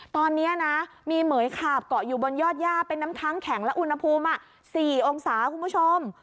ตอนนี้นะมีเหมือยขาบเกาะอยู่บนยอดย่าเป็นน้ำค้างแข็งและอุณหภูมิ๔องศาคุณผู้ชม